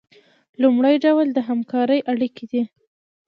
لومړی ډول د همکارۍ اړیکې دي.